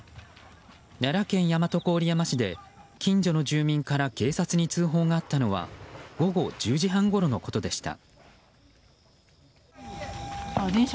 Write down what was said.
奈良県大和郡山市で近所の住民から警察に通報があったのは午後１０時半ごろのことでした。